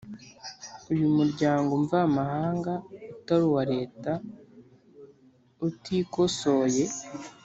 umuryango mvamahanga utari uwa Leta utikosoye